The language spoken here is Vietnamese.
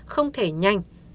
không thể nhanh